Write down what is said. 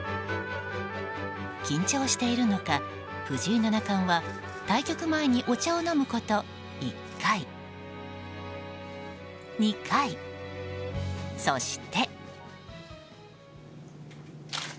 緊張しているのか藤井七冠は対局前にお茶を飲むこと１回、２回そして。